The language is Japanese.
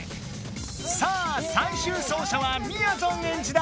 さあ最終走者はみやぞんエンジだ！